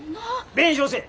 弁償せえ。